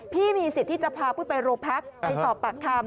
พี่มีสิทธิ์ที่จะพาปุ้ยไปโรงพักไปสอบปากคำ